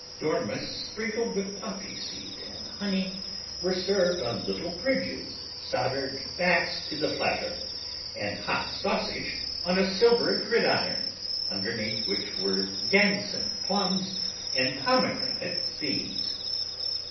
Dormice sprinkled with poppy seed and honey were served on little bridges soldered fast to the platter, and hot sausages on a silver gridiron, underneath which were damson plums and pomegranate seeds.